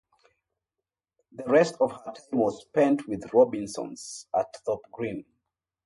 The rest of her time was spent with the Robinsons at Thorp Green.